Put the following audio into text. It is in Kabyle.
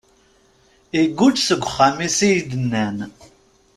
Igguǧ seg uxxam-is, ay d-nnan.